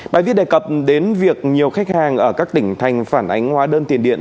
bài viết đề cập đến việc nhiều khách hàng ở các tỉnh thành phản ánh hóa đơn tiền điện